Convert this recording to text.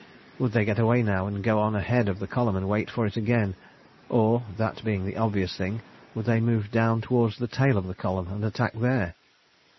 Would they get away now and go on ahead of the column and wait for it again, or, that being the obvious thing, would they move down toward the tail of the column, and attack there?